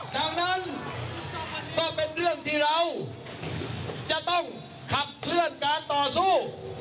ดังนั้นก็เป็นเรื่องที่เราจะต้องขับเคลื่อนการต่อสู้